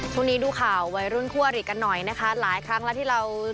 ช่วงนี้ดูข่าววัยรุ่นคั่วหรี่กันหน่อยนะคะหลายครั้งแล้วที่เรา